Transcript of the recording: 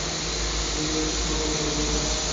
তিনি প্নরায় মঙ্গোলিয়া যান।